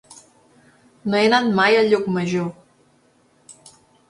No he anat mai a Llucmajor.